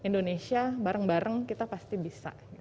jadi indonesia bareng bareng kita pasti bisa